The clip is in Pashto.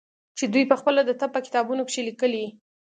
چې دوى پخپله د طب په کتابونو کښې ليکلي.